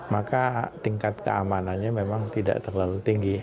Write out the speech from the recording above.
maka tingkat keamanannya memang tidak terlalu tinggi